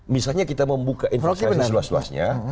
misalnya kita membuka informasi seluas luasnya